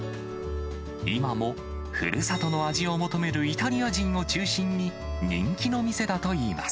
今もふるさとの味を求めるイタリア人を中心に人気の店だといいます。